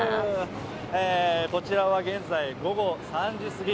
こちらは現在、午後３時すぎ。